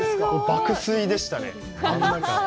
爆睡でした。